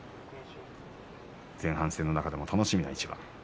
前半戦の中でも楽しみな一番です。